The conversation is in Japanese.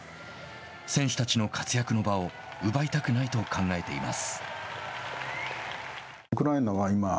選手たちの活躍の場を奪いたくないと考えています。